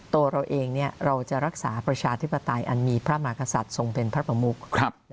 ตัวเราเองเราจะรักษาประชาธิปไตยอันมีพระมากษัตริย์ทรงเป็นพระประมุก